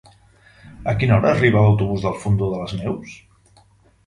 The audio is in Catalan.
A quina hora arriba l'autobús del Fondó de les Neus?